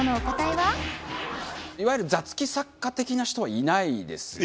いわゆる座付き作家的な人はいないですね。